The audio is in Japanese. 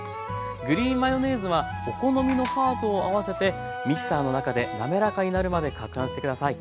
グリーンマヨネーズはお好みのハーブを合わせてミキサーの中で滑らかになるまで攪拌してください。